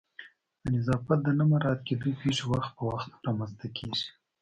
د نظافت د نه مراعت کېدو پیښې وخت په وخت رامنځته کیږي